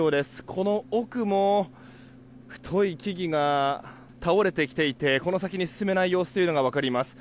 この奥も太い木々が倒れてきていてこの先に進めない様子というのが分かります。